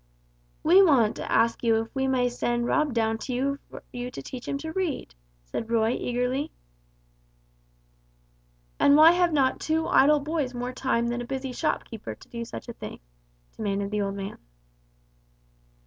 "We want to ask you if we may send Rob down to you for you to teach him to read," said Roy, eagerly. "And why have not two idle boys more time than a busy shopkeeper to do such a thing?" demanded the old man.